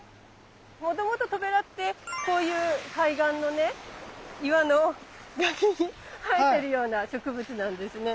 もともとトベラってこういう海岸のね岩の崖に生えてるような植物なんですね。